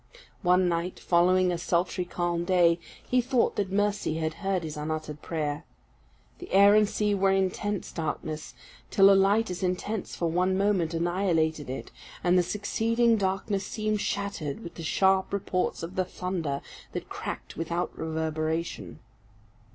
One night, following a sultry calm day, he thought that Mercy had heard his unuttered prayer. The air and sea were intense darkness, till a light as intense for one moment annihilated it, and the succeeding darkness seemed shattered with the sharp reports of the thunder that cracked without reverberation.